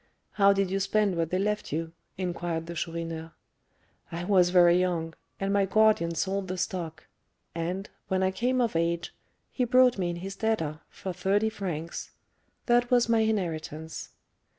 "How did you spend what they left you?" inquired the Chourineur. "I was very young, and my guardian sold the stock; and, when I came of age, he brought me in his debtor for thirty francs; that was my inheritance."